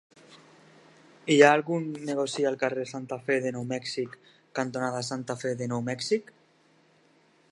Hi ha algun negoci al carrer Santa Fe de Nou Mèxic cantonada Santa Fe de Nou Mèxic?